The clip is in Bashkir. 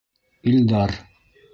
Илдар: